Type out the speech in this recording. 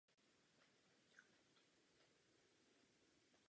Jde o skutečnou historickou postavu.